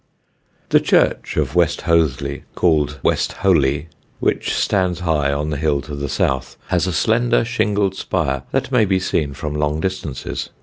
The church of West Hoathly (called West Ho ly), which stands high on the hill to the south, has a slender shingled spire that may be seen from long distances.